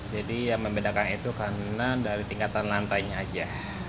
jadi yang membedakan itu karena dari tingkatan lantainya aja